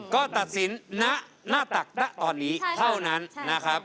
ก็ตัดสินณหน้าตักณตอนนี้เท่านั้นนะครับ